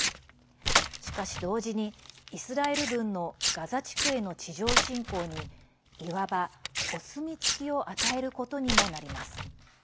しかし、同時にイスラエル軍のガザ地区への地上侵攻にいわば、お墨付きを与えることにもなります。